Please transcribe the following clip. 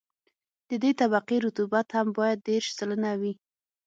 د دې طبقې رطوبت هم باید دېرش سلنه وي